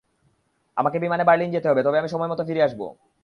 আমাকে বিমানে বার্লিন যেতে হবে, তবে আমি সময়মতো ফিরে আসব।